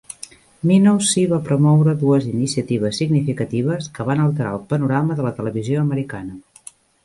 Minow sí va promoure dues iniciatives significatives que van alterar el panorama de la televisió americana.